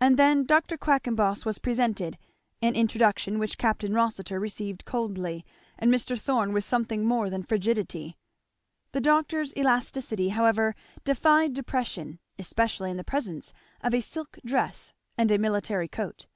And then Dr. Quackenboss was presented, an introduction which Capt. Rossitur received coldly, and Mr. Thorn with something more than frigidity. The doctor's elasticity however defied depression, especially in the presence of a silk dress and a military coat.